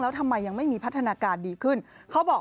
แล้วทำไมยังไม่มีพัฒนาการดีขึ้นเขาบอก